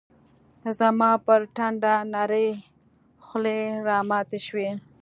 زما پر ټنډه نرۍ خولې راماتي شوې